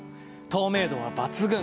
透明度は抜群！